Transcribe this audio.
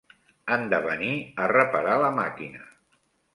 Han de venir a reparar la màquina.